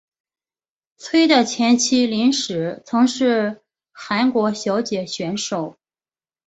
崔的前妻林氏曾是韩国小姐选手。